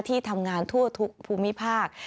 ที่ทำงานทั่วทุกภูมิภาค